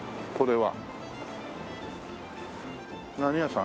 これは。